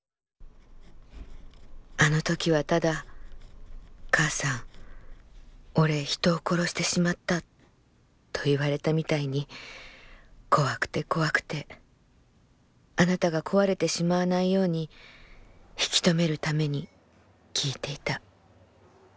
あの時はただ『母さん俺人を殺してしまった』と言われたみたいに怖くて怖くてあなたが壊れてしまわないように引き止めるために聞いていた。